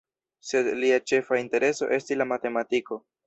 Sed lia ĉefa intereso esti la matematiko.